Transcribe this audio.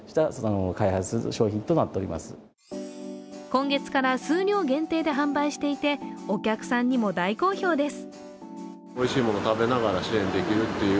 今月から数量限定で販売していて、お客さんにも大好評です。